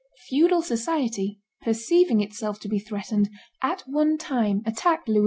Feudal society, perceiving itself to be threatened, at one time attacked Louis XI.